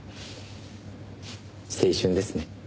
青春ですね。